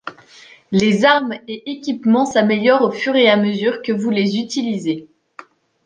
Les armes et équipements s'améliorent au fur et a mesure que vous les utiliser.